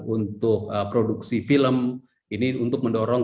untuk produksi film ini untuk mendorong